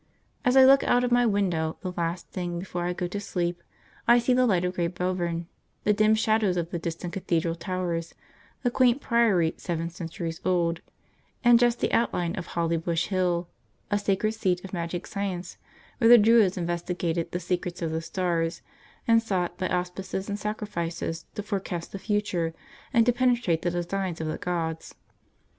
As I look out of my window the last thing before I go to sleep, I see the lights of Great Belvern, the dim shadows of the distant cathedral towers, the quaint priory seven centuries old, and just the outline of Holly Bush Hill, a sacred seat of magic science when the Druids investigated the secrets of the stars, and sought, by auspices and sacrifices, to forecast the future and to penetrate the designs of the gods.